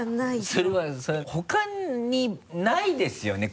それはほかにないですよね？